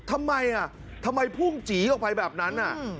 ทำไมทำไมพุ่งจีออกไปแบบนั้น